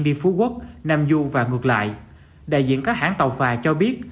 đi phú quốc nam du và ngược lại đại diện các hãng tàu phà cho biết